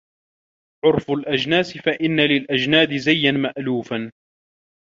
عُرْفُ الْأَجْنَاسِ فَإِنَّ لِلْأَجْنَادِ زِيًّا مَأْلُوفًا